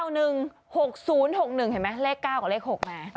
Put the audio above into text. ๙๐๙๑๖๐๖๑เห็นไหมเลข๙กับเลข๖มา